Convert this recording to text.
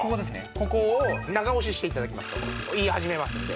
ここを長押しして頂きますといい始めますんで。